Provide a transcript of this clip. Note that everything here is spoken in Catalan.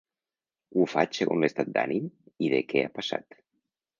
Ho faig segons l’estat d’ànim i de què ha passat.